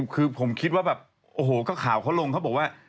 คือผมคิดว่าแบบโอ้โหก็ข่าวเขาลงเขาบอกว่า